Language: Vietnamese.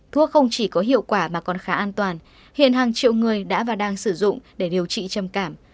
thuốc không chỉ có hiệu quả mà còn khá an toàn hiện hàng triệu người đã và đang sử dụng để điều trị trầm cảm